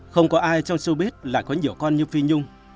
không có ai trong showbiz lại có nhiều con như phi nhung